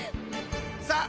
さあ